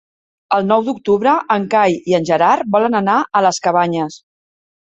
El nou d'octubre en Cai i en Gerard volen anar a les Cabanyes.